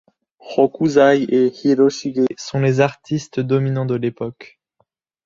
Hokusai, et Hiroshige sont les artistes dominants de l’époque.